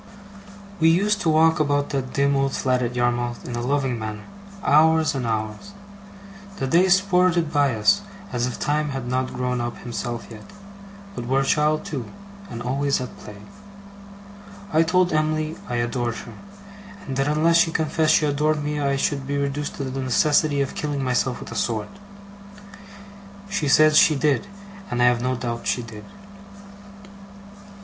We used to walk about that dim old flat at Yarmouth in a loving manner, hours and hours. The days sported by us, as if Time had not grown up himself yet, but were a child too, and always at play. I told Em'ly I adored her, and that unless she confessed she adored me I should be reduced to the necessity of killing myself with a sword. She said she did, and I have no doubt she did.